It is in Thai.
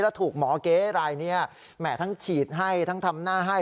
แล้วถูกหมอเก๊รายนี้แหมทั้งฉีดให้ทั้งทำหน้าให้